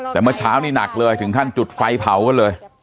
แต่เมื่อเช้านี่หนักเลยถึงขั้นจุดไฟเผากันเลย